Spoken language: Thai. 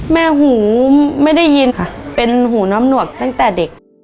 หูไม่ได้ยินค่ะเป็นหูน้ำหนวกตั้งแต่เด็ก